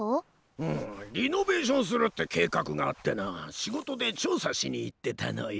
うんリノベーションするって計画があってな仕事で調査しに行ってたのよ。